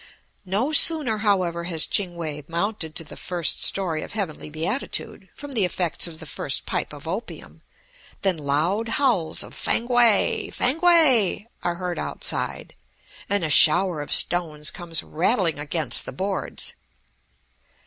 No sooner, however, has Ching We mounted to the first story of heavenly beatitude from the effects of the first pipe of opium, than loud howls of "Fankwae. Fankwae!" are heard outside, and a shower of stones comes rattling against the boards.